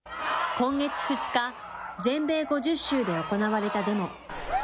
今月２日、全米５０州で行われたデモ。